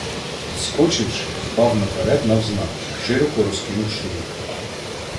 Підскочивши, впав наперед, навзнак, широко розкинувши руки.